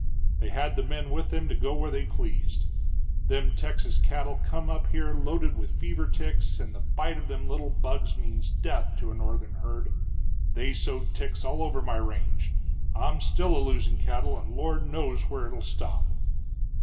They had the men with them to go where they pleased. Them Texas cattle come up here loaded with fever ticks, and the bite of them little bugs means death to a northern herd. They sowed ticks all over my range. I'm still a losin' cattle, and Lord knows where it will stop."